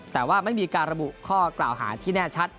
แต่ว่าไม่มีการระบุข้อกล่าวหาที่แน่ชัด